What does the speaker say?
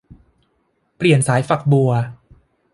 เปลี่ยนสายฝักบัว